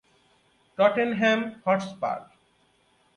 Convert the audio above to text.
Tottenham Hotspur